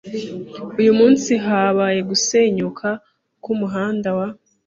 Uyu munsi habaye gusenyuka kumuhanda wa .